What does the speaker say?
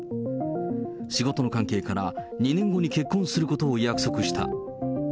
仕事の関係から、２年後に結婚することを約束した。